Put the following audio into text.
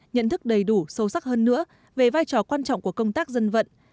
nhận thức đầy đủ sâu sắc hơn nữa về vai trò quan trọng của công tác dân vận